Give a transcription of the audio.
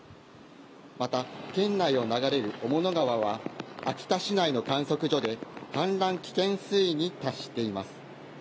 また、県内を流れる雄物川は秋田市内の観測所で氾濫危険水位に達しています。